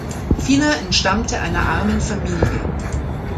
Fina entstammte einer armen Familie.